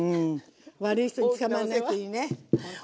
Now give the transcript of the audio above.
悪い人につかまんないといいねほんと。